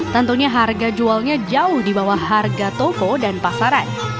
tentunya harga jualnya jauh di bawah harga toko dan pasaran